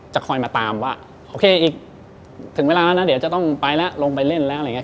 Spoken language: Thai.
คอยมาตามว่าโอเคอีกถึงเวลาแล้วนะเดี๋ยวจะต้องไปแล้วลงไปเล่นแล้วอะไรอย่างนี้